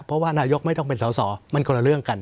เพราะว่านายกไม่ต้องเป็นสอสอมันคนละเรื่องกัน